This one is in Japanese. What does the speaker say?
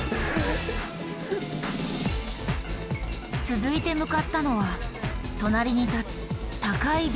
続いて向かったのは隣に立つ「高いビル」。